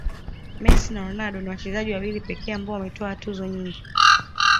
messi na ronaldo ni wachezaji wawili pekee ambao wametwaa tuzo nyingi